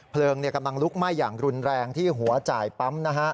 เพลิงกำลังลุกไหม้อย่างรุนแรงที่หัวจ่ายปั๊ม